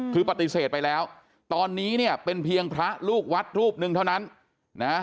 คือปฏิเสธไปแล้วตอนนี้เนี่ยเป็นเพียงพระลูกวัดรูปหนึ่งเท่านั้นนะฮะ